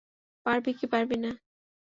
পারবি কি পারবি না?